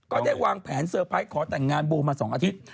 ก็ได้วางแผนเซอร์ไพรส์ขอแต่งงานโบมา๒อาทิตย์